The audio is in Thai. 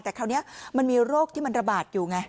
แต่คราวนี้มันมีโรคที่มันระบาดอยู่ไง